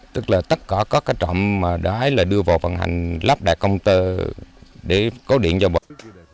tức là tất cả các trạm đáy là đưa vào phần hành lắp đạc công tơ để cố điện cho bọn mình